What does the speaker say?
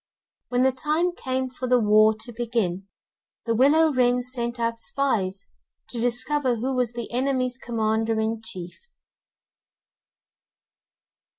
When the time came for the war to begin, the willow wren sent out spies to discover who was the enemy's commander in chief.